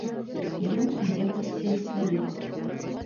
Ён ідзе ў сельсавет.